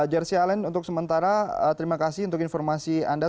jersi alen untuk sementara terima kasih untuk informasi anda